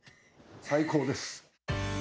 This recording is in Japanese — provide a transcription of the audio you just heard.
最高です！